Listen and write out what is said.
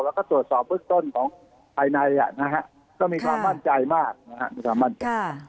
แล้วก็ตรวจสอบเพิกต้นของภายในก็ความมั่นใจมาก